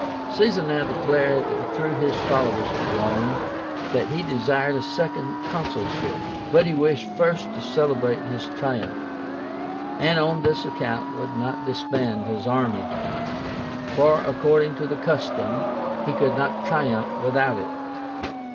Caesar now declared through his followers at Rome that he desired a second consulship. But he wished first to celebrate his triumph, and on this account would not disband his army; for, according to the custom, he could not triumph without it.